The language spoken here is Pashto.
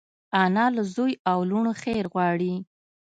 انا له زوی او لوڼو خیر غواړي